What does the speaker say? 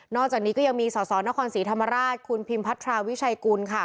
อกจากนี้ก็ยังมีสสนครศรีธรรมราชคุณพิมพัทราวิชัยกุลค่ะ